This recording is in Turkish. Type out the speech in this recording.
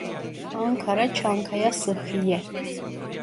Ankara Çankaya Sıhhiye